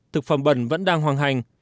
thực phẩm bẩn vẫn đang hoàng hành